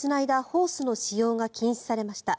ホースの使用が禁止されました。